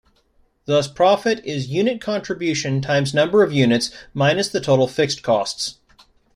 Thus Profit is Unit Contribution times Number of Units, minus the Total Fixed Costs.